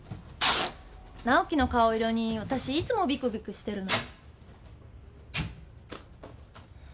直季の顔色にわたしいつもビクビクしてるの。